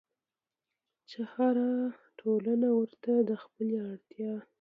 چې هره ټولنه ورته د خپلې اړتيا